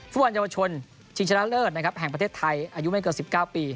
ฟุตบอลเยาวชนชิงชนะเลิศแห่งประเทศไทยอายุไม่เกิน๑๙ปี